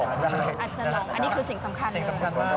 อาจจะลองอันนี้คือสิ่งสำคัญเลย